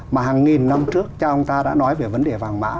mà hàng nghìn năm trước cha ông ta đã nói về vấn đề vàng mã